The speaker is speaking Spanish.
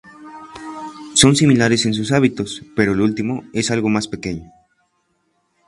Son similares en sus hábitos, pero el último es algo más pequeño.